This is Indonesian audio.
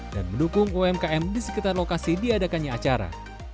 dan mendukung umkm di sekitar lokasi diadakannya acara